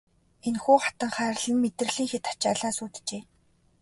Энэхүү хатанхайрал нь мэдрэлийн хэт ачааллаас үүджээ.